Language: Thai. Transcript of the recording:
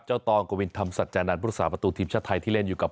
เจ้าตองกวินทำสัจจานันท์พรุษศาสตร์ประตูทีมชาติไทยที่เล่นอยู่กับ